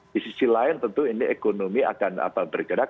di sisi lain tentu ini ekonomi akan bergerak